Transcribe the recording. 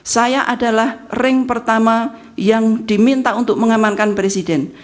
saya adalah ring pertama yang diminta untuk mengamankan presiden